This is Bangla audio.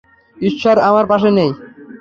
ঈশ্বর আমার পাশে নেই।